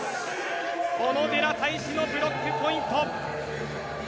小野寺太志のブロックポイント。